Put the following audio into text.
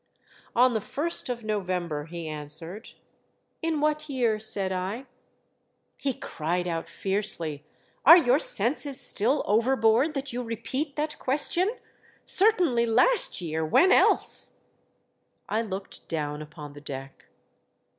On the First of November," he answered. '' In what year.'^" said I. I INSPECT THE FLYING DUTCHMAN. II 3 He cried out, fiercely, " Are your senses still overboard that you repeat that question ? Certainly last year — when else ?" I looked down upon the deck.